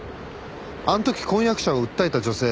あの時婚約者を訴えた女性